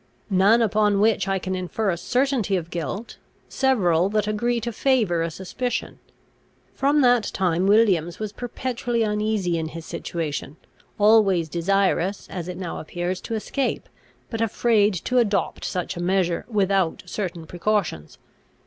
"None upon which I can infer a certainty of guilt; several that agree to favour a suspicion. From that time Williams was perpetually uneasy in his situation, always desirous, as it now appears, to escape, but afraid to adopt such a measure without certain precautions.